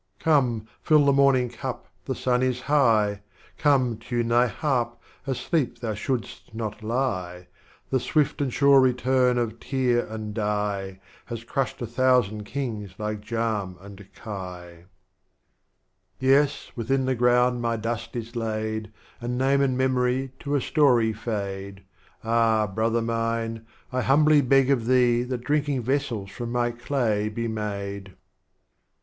" XVIII. Come, fill the morning Cup, the Sun is high, Come tune Thy Harp, asleep Thou shouldsl not lie, The swift and sure return of Tyr and Dai " Has crushed a thousand Kings like J.lm and Kai. Strophes of Omar Khayndm. 43 Yes, when within the Ground my Dust is laid, And Name and Memory to a Story fade. Ah, Brother mine, I humbly beg of Thee, That Drinking Vessels from My Clay be made.